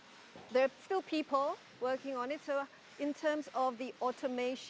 jadi dalam hal membuatnya secara otomatis